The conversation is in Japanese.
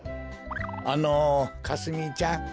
あのかすみちゃん。